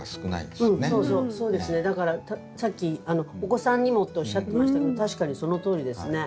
だからさっき「お子さんにも」っておっしゃってましたけど確かにそのとおりですね。